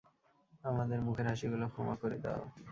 আমাদের মুখের হাসিগুলো ক্ষমা করে দাও।